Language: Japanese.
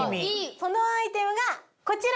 そのアイテムがこちら！